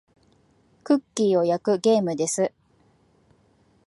クッキーを焼くゲームです。